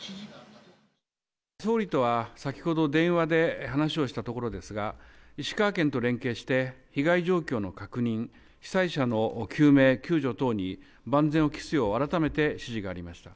総理とは先ほど電話で話をしたところですが、石川県と連携して、被害状況の確認、被災者の救命救助等に、万全を期すよう改めて指示がありました。